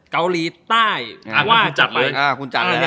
เกาหลีใต้ความว่าจัดเลย